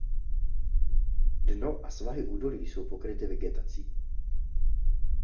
Dno a svahy údolí jsou pokryty vegetací.